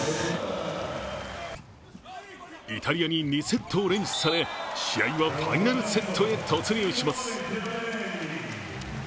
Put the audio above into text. イタリアに２セットを連取され、試合はファイナルセットへ突入します。